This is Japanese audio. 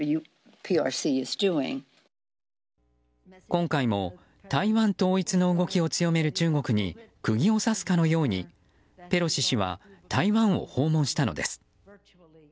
今回も台湾統一の動きを強める中国に釘を刺すかのようにペロシ氏は台湾を訪問したのです。